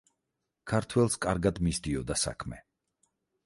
ქართველს კარგად მისდიოდა საქმე.